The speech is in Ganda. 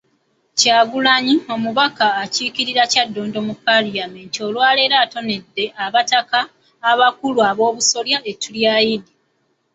Kyagulanyi, omubaka akiikirira Kyaddondo mu palamenti olwaleero atonedde abataka abakulu ab'obusolya ettu lya Eid.